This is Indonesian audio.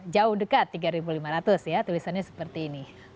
jauh dekat tiga ribu lima ratus ya tulisannya seperti ini